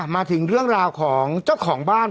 มาถึงเรื่องราวของเจ้าของบ้าน